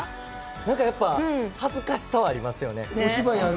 僕はやっぱり恥ずかしさはありますよね。